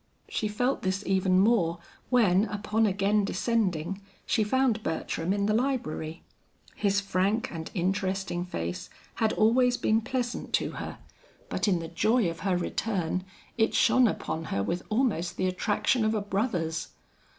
She felt this even more when upon again descending, she found Bertram in the library. His frank and interesting face had always been pleasant to her, but in the joy of her return it shone upon her with almost the attraction of a brother's.